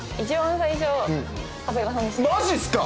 マジっすか？